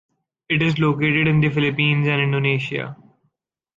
It is located in the Philippines and Indonesia.